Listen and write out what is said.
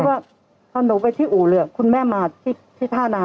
รู้ไหมว่าถ้าหนูไปที่อู่เรือคุณแม่มาที่ท่าน้ำ